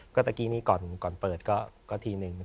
ก็ตะกี้นี่ก่อนเปิดก็ทีนึง